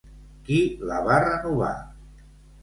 Qui la va renovar?